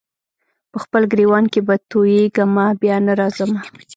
په خپل ګرېوان کي به تویېږمه بیا نه راځمه